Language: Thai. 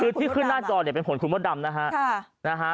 คือที่ขึ้นหน้าจอเนี่ยเป็นผลคุณมดดำนะฮะ